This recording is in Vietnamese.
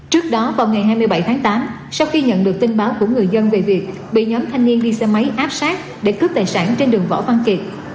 trước đó vào ngày hai mươi bảy tháng tám sau khi nhận được tin báo của người dân về việc bị nhóm thanh niên đi xe máy áp sát để cướp tài sản trên đường võ văn kiệt